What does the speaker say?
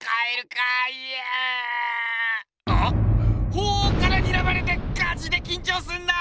鳳凰から睨まれてガチできんちょうすんな！